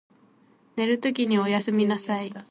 寝るときにおやすみなさい。